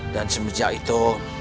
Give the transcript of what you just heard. dan semenjak itu